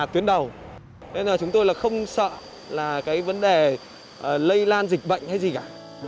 nên là chúng tôi là không sợ là cái vấn đề lây lan dịch bệnh hay gì cả